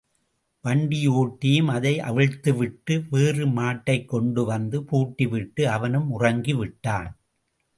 வண்டியோட்டியும் அதை அவிழ்த்துவிட்டு வேறு மாட்டைக் கொண்டு வந்து பூட்டி விட்டு, அவனும் உறங்கிவிட்டான்.